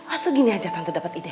atau gini aja tante dapet ide